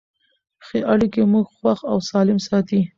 ښه اړیکې موږ خوښ او سالم ساتي.